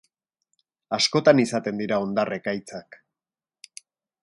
Askotan izaten dira hondar ekaitzak.